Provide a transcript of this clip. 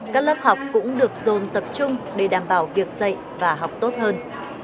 các lớp học cũng được dồn tập trung để đảm bảo việc dạy và học tốt hơn